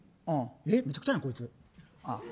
めちゃくちゃや、こいつ。